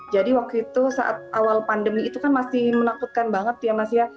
jadi waktu itu saat awal pandemi itu kan masih menakutkan banget ya mas ya